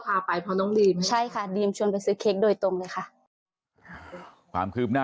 ทั้งเรื่อง